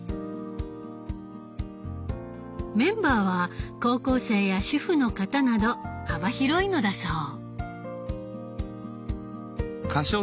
メンバーは高校生や主婦の方など幅広いのだそう。